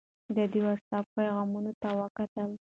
ده د وټس اپ پیغامونو ته وکتل.